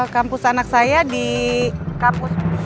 kampus anak saya di kampus